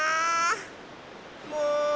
もう。